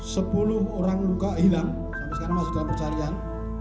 sepuluh orang luka hilang sampai sekarang masuk dalam kursi pecarian